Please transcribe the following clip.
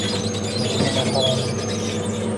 Keyingi maqolamizda